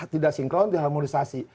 tidak sinkron tidak harmonisasi